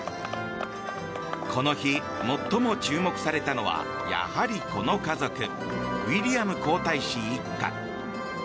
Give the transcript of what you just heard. この日、最も注目されたのはやはり、この家族ウィリアム皇太子一家。